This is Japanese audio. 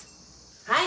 はい！